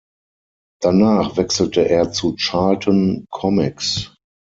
Danach wechselte er zu Charlton Comics.